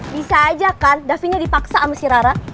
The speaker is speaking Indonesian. bisa aja kan davinnya dipaksa sama si rara